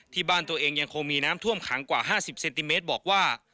ที่บ้านตัวเองยังคงมีน้ำท่วมขังกว่าห้าสิบเซนติเมตรบอกว่า